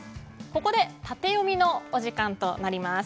ここでタテヨミのお時間となります。